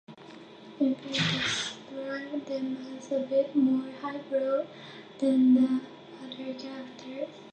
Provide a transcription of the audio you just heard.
Enfield described them as "a bit more highbrow" than the other characters.